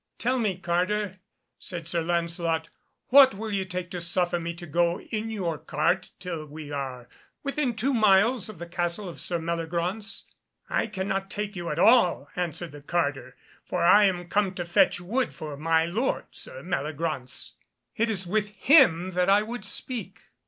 "Tell me, carter," said Sir Lancelot, "what will you take to suffer me to go in your cart till we are within two miles of the castle of Sir Meliagraunce?" "I cannot take you at all," answered the carter, "for I am come to fetch wood for my lord Sir Meliagraunce." "It is with him that I would speak."